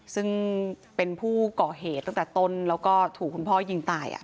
ซึ่งเป็นผู้ก่อเหตุตั้งแต่ต้นแล้วก็ถูกคุณพ่อยิงตาย